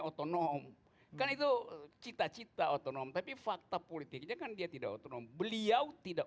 otonom kan itu cita cita otonom tapi fakta politiknya kan dia tidak otonom beliau tidak